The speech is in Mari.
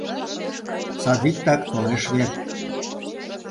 Садиктак толеш вет...